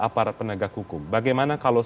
aparat penegak hukum bagaimana kalau